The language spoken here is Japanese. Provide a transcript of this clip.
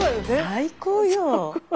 最高よ。